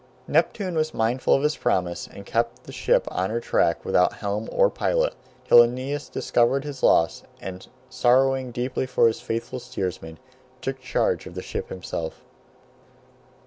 Neptune was mindful of his promise and kept the ship on her track without helm or pilot, till Aeneas discovered his loss, and, sorrowing deeply for his faithful steersman, took charge of the ship himself.